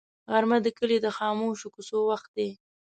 غرمه د کلي د خاموشو کوڅو وخت دی